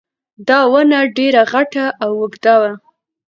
دا ونه ډېره غټه او اوږده وه